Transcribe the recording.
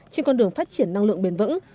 trên con đường phát triển năng lượng bền vững